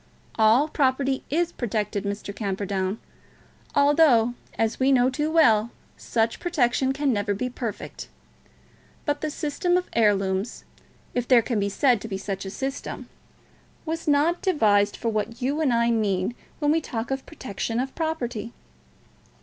"All property is protected, Mr. Camperdown; although, as we know too well, such protection can never be perfect. But the system of heirlooms, if there can be said to be such a system, was not devised for what you and I mean when we talk of protection of property."